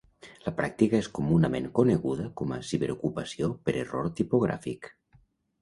La pràctica és comunament coneguda com a "ciberocupació per error tipogràfic".